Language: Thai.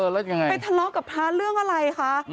ไปทะเลาะกับพระเรื่องอะไรคะ